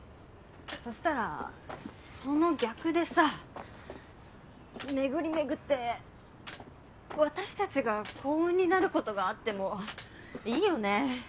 そしたらその逆でさ巡り巡って私たちが幸運になることがあってもいいよね？